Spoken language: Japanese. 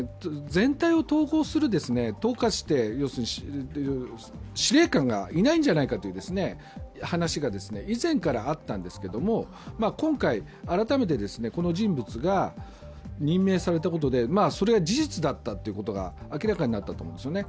全体を統括する司令官がいないんじゃないかという話が以前からあったんですが今回、改めてこの人物が任命されたことで、それが事実だったということが明らかになったと思うんですね。